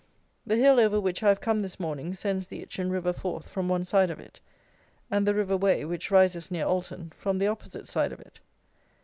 The hill over which I have come this morning sends the Itchen river forth from one side of it, and the river Wey, which rises near Alton, from the opposite side of it.